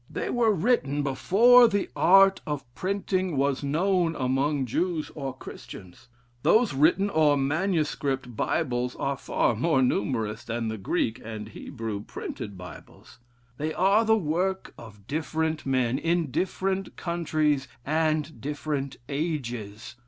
They were written before the art of printing was known among Jews or Christians. Those written or manuscript Bibles are more numerous than the Greek and Hebrew printed Bibles. They are the work of different men, in different countries, and different ages.